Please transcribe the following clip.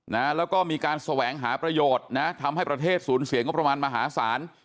นะแล้วก็มีการแสวงหาประโยชน์นะทำให้ประเทศสูญเสียงบประมาณมหาศาล